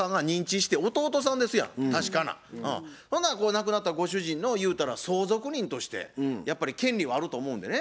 亡くなったご主人のゆうたら相続人としてやっぱり権利はあると思うんでね。